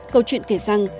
câu chuyện kể rằng